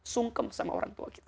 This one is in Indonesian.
sungkem sama orang tua kita